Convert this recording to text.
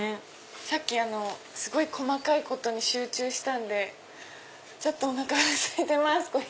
さっきすごい細かいことに集中したんでちょっとおなかがすいてます。